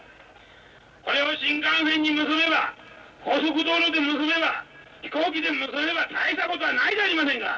それを新幹線で結べば高速道路で結べば飛行機で結べば大したことはないじゃありませんか！